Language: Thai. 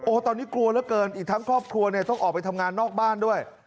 ตอนนี้กลัวเหลือเกินอีกทั้งครอบครัวเนี่ยต้องออกไปทำงานนอกบ้านด้วย